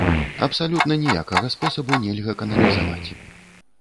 Абсалютна ніякага спосабу нельга кананізаваць.